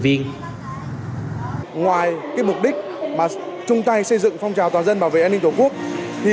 viên ngoài cái mục đích mà chung tay xây dựng phong trào toàn dân bảo vệ an ninh tổ quốc thì